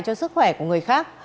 cho sức khỏe của người khác